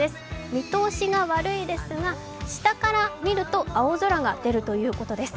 見通しが悪いですが下から見ると青空が出るということです。